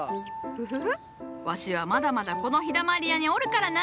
フフフワシはまだまだこの「陽だまり屋」におるからな。